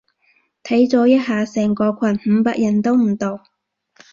睇咗一下成個群，五百人都唔到